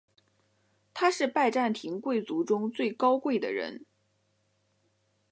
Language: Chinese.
他是拜占庭贵族中最高贵的人。